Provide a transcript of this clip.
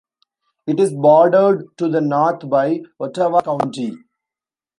It is bordered to the north by Ottawa County.